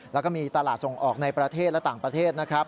แล้วก็มีตลาดส่งออกในประเทศและต่างประเทศนะครับ